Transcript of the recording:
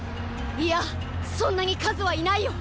いやそんなに数はいないよ！